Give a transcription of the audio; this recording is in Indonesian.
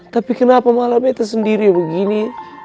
tapi kenapa malah kita sendiri begini